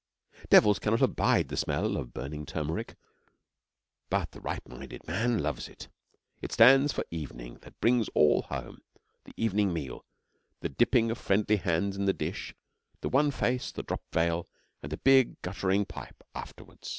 Devils cannot abide the smell of burning turmeric, but the right minded man loves it. It stands for evening that brings all home, the evening meal, the dipping of friendly hands in the dish, the one face, the dropped veil, and the big, guttering pipe afterward.